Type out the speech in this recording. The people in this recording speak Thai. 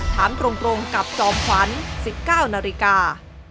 ถามตรงกับจอมขวัญ๑๙นาฬิกา